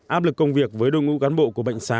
áp lực công việc với đội ngũ cán bộ của bệnh xá